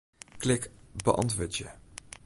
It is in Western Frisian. Klik Beäntwurdzje.